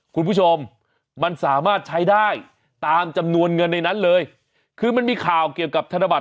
คุณผู้ชมมันสามารถใช้ได้ตามจำนวนเงินในนั้นเลยคือมันมีข่าวเกี่ยวกับธนบัต